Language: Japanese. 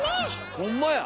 ホンマや！